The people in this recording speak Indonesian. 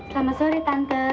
selamat sore tante